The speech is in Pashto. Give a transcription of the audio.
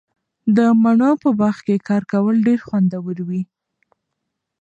د مڼو په باغ کې کار کول ډیر خوندور وي.